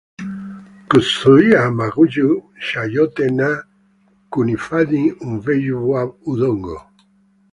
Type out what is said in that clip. kuzuia magugu yasiote na kuhifadhi unyevu wa udongo.